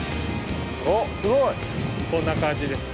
おすごい！こんな感じです。